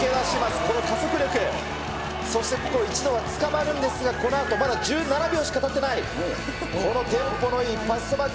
この加速力、そして一度はつかまるんですが、このあとまだ１７秒しかたっていない、このテンポのいいパスワーク。